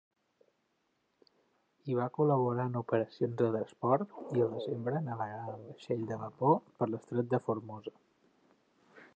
Hi va col·laborar en operacions de transport i al desembre navegà amb vaixell de vapor per l'Estret de Formosa.